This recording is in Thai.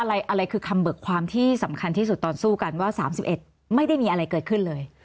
อะไรคือคำเบิกความที่สำคัญที่สุดตอนสู้กันว่า๓๑ไม่ได้มีอะไรเกิดขึ้นเลย